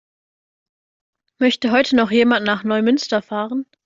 Möchte heute noch jemand nach Neumünster fahren?